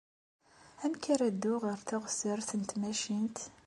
Amek ara dduɣ ɣer teɣsert n tmacint?